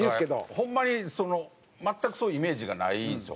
ホンマに全くそういうイメージがないんですよ